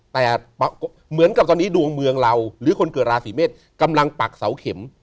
แต่เหมือนกับตอนนี้ดวงเมืองเราหรือคนเกิดราศีเมษกำลังปักเสาเข็ม